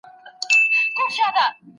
چي یې تاب د هضمېدو نسته وجود کي